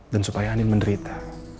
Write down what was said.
dan supaya andin menderita